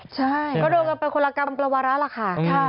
ใช่ก็โดนกันไปคนละกรรมประวาระล่ะค่ะ